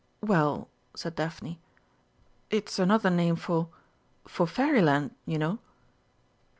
"Well," said Daphne, "it's another name for for Fairyland, you know."